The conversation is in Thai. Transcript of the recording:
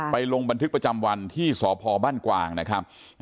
ลงบันทึกประจำวันที่สพบ้านกวางนะครับ